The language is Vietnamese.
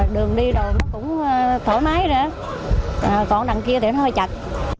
đường đi rồi nó cũng thoải mái rồi còn đằng kia thì nó hơi chạch